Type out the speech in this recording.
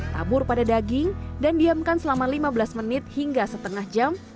tabur pada daging dan diamkan selama lima belas menit hingga setengah jam